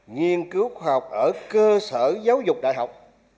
nghiên cứu khoa học ở cơ sở giáo dục đại học